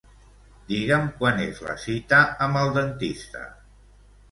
Digue'm quan és la cita amb el dentista.